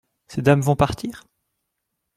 Ces dames vont partir ?…